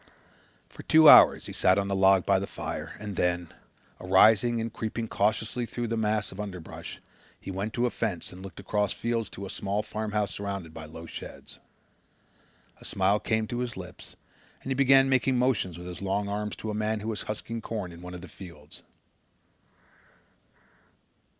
For two hours he sat on the log by the fire and then, arising and creeping cautiously through a mass of underbrush, he went to a fence and looked across fields to a small farmhouse surrounded by low sheds. A smile came to his lips and he began making motions with his long arms to a man who was husking corn in one of the fields.